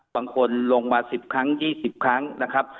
บางคนลงมา๑๐ครั้ง๒๐ครั้งนะครับ